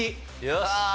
よし。